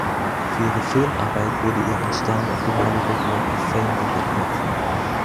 Für ihre Filmarbeit wurde ihr ein Stern auf dem Hollywood Walk of Fame gewidmet.